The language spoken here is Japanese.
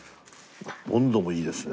温度もいいですね。